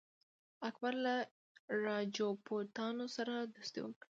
اکبر له راجپوتانو سره دوستي وکړه.